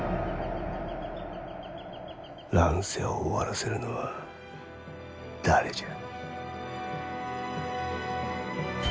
乱世を終わらせるのは誰じゃ。